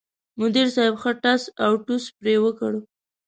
مدیر صاحب ښه ټس اوټوس پرې وکړ.